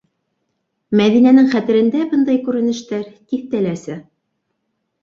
Мәҙинәнең хәтерендә бындай күренештәр тиҫтәләрсә!